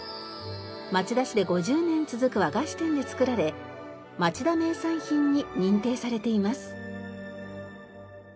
町田市で５０年続く和菓子店で作られまちだ名産品に認定されています。